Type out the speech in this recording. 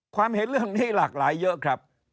ความเห็นเรื่องนี้หลากหลายเยอะครับ